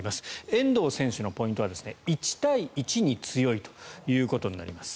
遠藤選手のポイントは１対１に強いということになります。